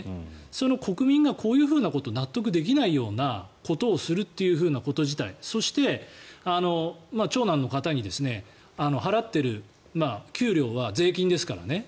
その国民がこういうような納得できないようなことをすること自体そして長男の方に払っている給料は税金ですからね。